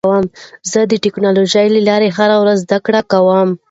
زه د ټکنالوژۍ له لارې هره ورځ زده کړه کوم.